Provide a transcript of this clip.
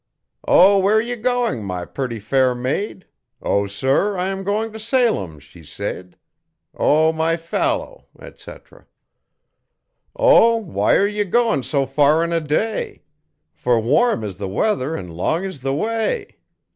'Oh, where are you goin' my purty fair maid?' 'O, sir, I am goin' t' Salem,' she said. O, my fallow, etc. 'O, why are ye goin' so far in a day? Fer warm is the weather and long is the way.'